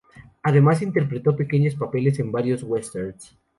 Además interpretó pequeños papeles en varios westerns.